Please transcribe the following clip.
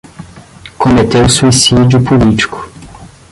Cometeu suicídio político